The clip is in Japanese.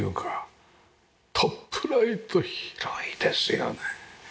トップライト広いですよね。